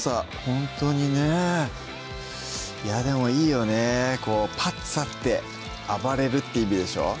ほんとにねでもいいよねパッツァって暴れるって意味でしょ？